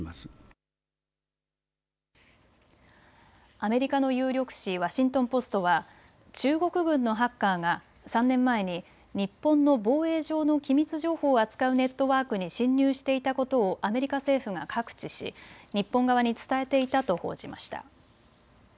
アメリカの有力紙、ワシントン・ポストは中国軍のハッカーが３年前に日本の防衛上の機密情報を扱うネットワークに侵入していたことをアメリカ政府が覚知し日本側に伝えていたと報じました。